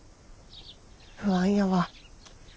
不安やわ。